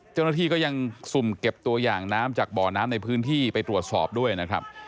เจ้าหน้าที่ก็ยังสุ่มเก็บตัวอย่างน้ำจากบ่อน้ำในพื้นที่ไปตรวจสอบด้วยนะครับ